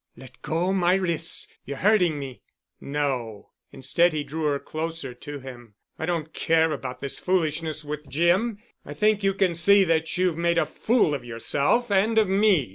"Let go my wrists—you're hurting me——" "No——" Instead, he drew her closer to him. "I don't care about this foolishness with Jim. I think you can see that you've made a fool of yourself and of me.